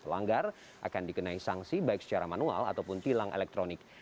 pelanggar akan dikenai sanksi baik secara manual ataupun tilang elektronik